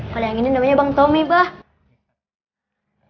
kalau yang ini namanya bang tommy bah